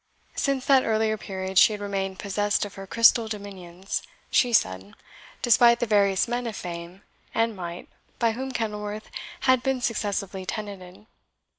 Since that early period she had remained possessed of her crystal dominions, she said, despite the various men of fame and might by whom Kenilworth had been successively tenanted.